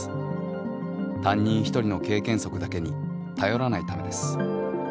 担任１人の経験則だけに頼らないためです。